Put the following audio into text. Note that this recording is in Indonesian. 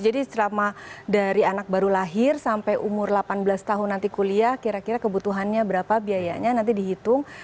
jadi selama dari anak baru lahir sampai umur delapan belas tahun nanti kuliah kira kira kebutuhannya berapa biayanya nanti dihitung